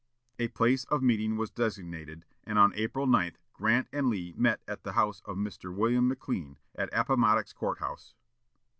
A place of meeting was designated, and on April 9 Grant and Lee met at the house of a Mr. McLean, at Appomattox Court House.